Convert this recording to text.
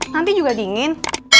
nanti juga dingin